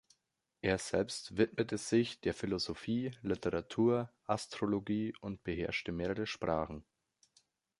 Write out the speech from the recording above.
Er selbst widmete sich der Philosophie, Literatur, Astrologie und beherrschte mehrere Sprachen.